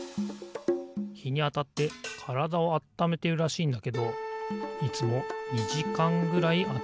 ひにあたってからだをあっためてるらしいんだけどいつも２じかんぐらいあたってんだよな。